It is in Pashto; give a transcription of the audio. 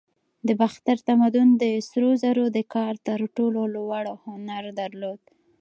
د باختر تمدن د سرو زرو د کار تر ټولو لوړ هنر درلود